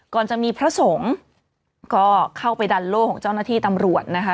ก่อนจะมีพระสงฆ์ก็เข้าไปดันโล่ของเจ้าหน้าที่ตำรวจนะคะ